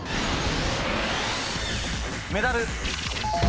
メダル。